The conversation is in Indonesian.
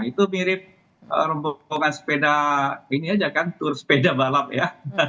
itu mirip rombongan sepeda ini aja kan tur sepeda balap ya